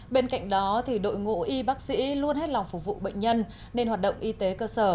bên cạnh đó đội ngũ y bác sĩ luôn hết lòng phục vụ bệnh nhân nên hoạt động y tế cơ sở